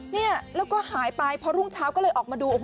นี่แล้วก็หายไปเพราะรุ่งเช้าก็เลยออกมาดู